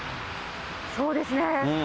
そうですね。